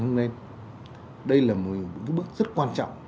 nên đây là một bước rất quan trọng